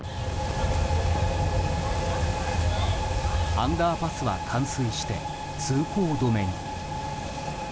アンダーパスは冠水して通行止めに。